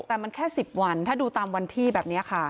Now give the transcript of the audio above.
แต่มันแค่๑๐วันถ้าดูตามวันที่แบบนี้ค่ะ